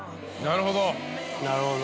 なるほど。